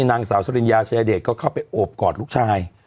นางสาวศาลิยาเชดดิตก็เข้าไปอบกอดลูกชาย